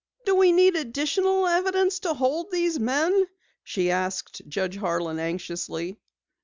"Do we need additional evidence to hold these men?" she asked Judge Harlan anxiously.